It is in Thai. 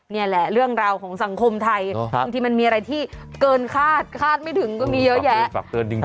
นี่แหละเรื่องราวของสังคมไทยบางทีมันมีอะไรที่เกินคาดคาดไม่ถึงก็มีเยอะแยะฝากเตือนจริง